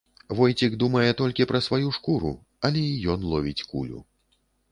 Войцік думае толькі пра сваю шкуру, але і ён ловіць кулю.